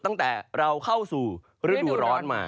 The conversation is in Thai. ตั้งแต่เราเข้าสู่ฤดูร้อนมา